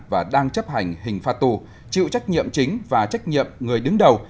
và đang chấp hành hình pha tù chịu trách nhiệm chính và trách nhiệm người đứng đầu